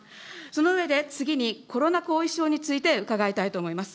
その上で、次にコロナ後遺症について伺いたいと思います。